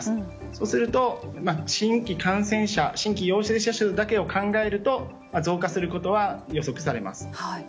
そうすると新規感染者新規陽性者数だけを考えると増加することは予測されます。